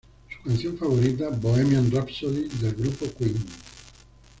Su canción favorita Bohemian Rhapsody del grupo Queen.